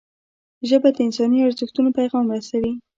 ژبه د انساني ارزښتونو پیغام رسوي